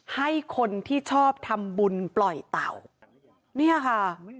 ให้คนที่ชอบทำบุญปล่อยเต่าเนี่ยค่ะ